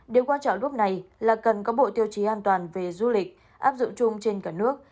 điều quan trọng lúc này là cần có bộ tiêu chí an toàn về du lịch áp dụng chung trên cả nước